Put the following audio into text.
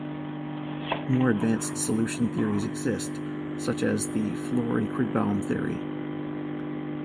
More advanced solution theories exist, such as the Flory-Krigbaum theory.